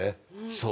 そう！